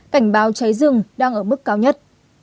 cảnh báo cháy rừng đang ở mức cao nhất